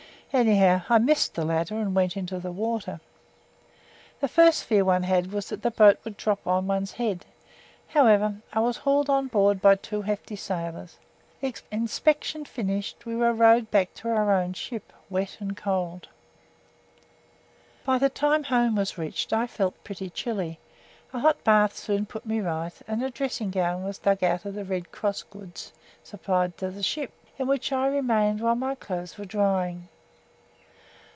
Anyhow I missed the ladder and went into the water. The first fear one had was that the boat would drop on one's head; however, I was hauled on board by two hefty sailors. The inspection finished, we were rowed back to our own ship, wet and cold. By the time "home" was reached I felt pretty chilly; a hot bath soon put me right, and a dressing gown was dug out of the Red Cross goods supplied to the ship, in which I remained while my clothes were drying.